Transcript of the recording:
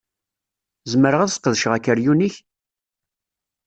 Zemreɣ ad ssqedceɣ akeryun-ik?